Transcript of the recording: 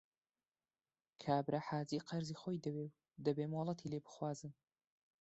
کابرا حاجی قەرزی خۆی دەوێ و دەبێ مۆڵەتی لێ بخوازن